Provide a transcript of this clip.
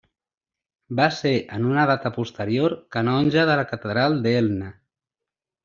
Va ser, en una data posterior, canonge de la catedral d'Elna.